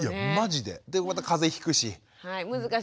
でまた風邪ひくし。